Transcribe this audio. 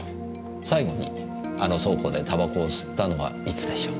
最後にあの倉庫で煙草を吸ったのはいつでしょう？